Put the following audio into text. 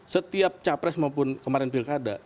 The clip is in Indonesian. setiap capres maupun kemarin pilkada